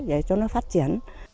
để cho nó phát triển